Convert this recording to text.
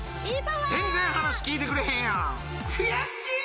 全然話聞いてくれへんやん悔しい！